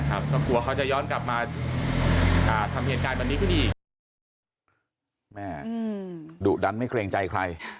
กลัวว่าเขาจะย้อนกลับมาทำเหตุการณ์แบบนี้ขึ้นอีก